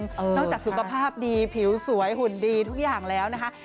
นอกจากสุขภาพดีผิวสวยหุ่นดีทุกอย่างแล้วนะคะ